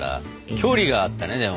距離があったねでも。